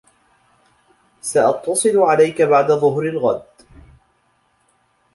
سأتصل عليك بعد ظهر الغد.